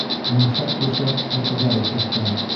Йомшаҡ түшәп, ҡатыға ултырта.